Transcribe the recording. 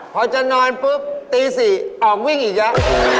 พอจะนอนปุ๊บตี๔ออกวิ่งอีกแล้ว